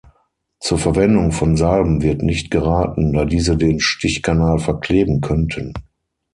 Zur Verwendung von Salben wird nicht geraten, da diese den Stichkanal verkleben könnten.